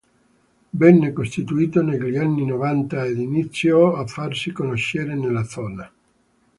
Venne costituito negli anni novanta ed iniziò a farsi conoscere nella zona.